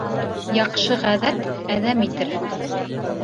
Яҡшы ғәҙәт әҙәм итер